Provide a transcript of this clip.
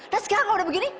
nah sekarang kalau udah begini